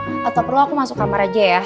atau perlu aku masuk kamar aja ya